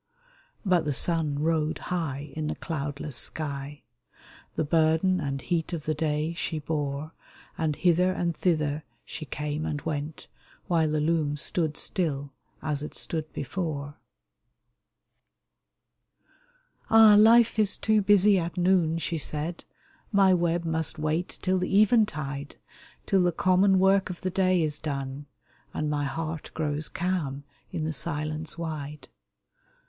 But the sun rode high in the cloudless sky ; The burden and heat of the day she bore And hither and thither she came and went. While the loom stood still as it stood before. 204 WEAVING THE WEB " Ah ! life is too busy at noon," she said ;" My web must wait till the eventide, Till the common work of the day is done, And my heart grows calm in the silence wide."